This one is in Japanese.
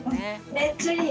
めっちゃいい。